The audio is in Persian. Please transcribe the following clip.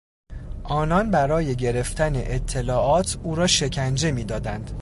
آنان برای گرفتن اطلاعات، او را شکنجه میدادند.